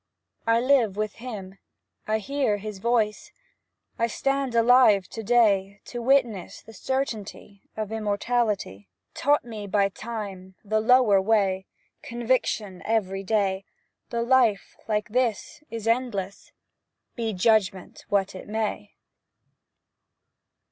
I live with him, I hear his voice, I stand alive to day To witness to the certainty Of immortality Taught me by Time, the lower way, Conviction every day, That life like this is endless, Be judgment what it may.